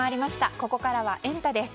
ここからはエンタ！です。